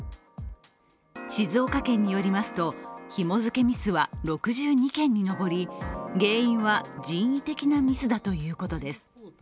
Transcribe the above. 静岡県によりますと、ひも付けミスは６２件に上り、原因は人為的なミスだということです。